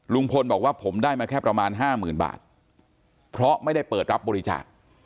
ลุงพลบอกว่าผมได้มาแค่ประมาณห้าหมื่นบาทเพราะไม่ได้เปิดรับบริจาค